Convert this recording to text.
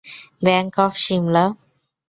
Bank of Shimla.